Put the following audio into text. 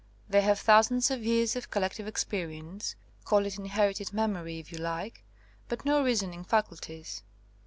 They have thousands of years of collective experience, call it inherited memory' if you like, but no reasoning faculties.